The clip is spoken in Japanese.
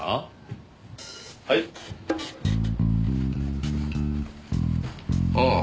はい？ああ。